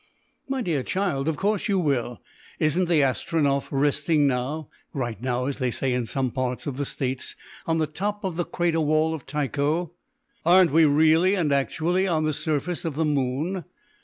"My dear child, of course you will. Isn't the Astronef resting now right now as they say in some parts of the States on the top of the crater wall of Tycho? Aren't we really and actually on the surface of the moon?